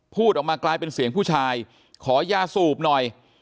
พูดออกมากลายเป็นเสียงผู้ชายขอยาสูบหน่อย